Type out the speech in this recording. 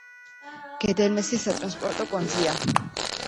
გუდერმესი სატრანსპორტო კვანძია.